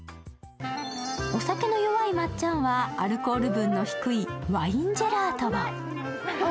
お酒の弱いまっちゃんはアルコール分の低いワインジェラートを。